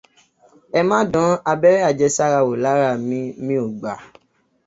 Ẹ má dán abẹ́rẹ́ àjẹsára wò lára mi, mi ò gbà!